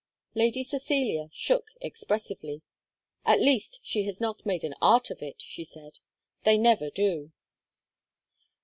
Lady Cecilia shook expressively. "At least she has not made an art of it," she said. "They never do."